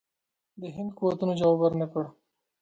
د هند قوتونو جواب ورنه کړ.